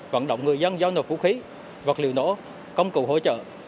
vận động người dân giao nộp vũ khí vật liệu nổ công cụ hỗ trợ